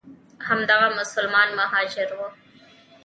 همدغه مسلمان مهاجر وو.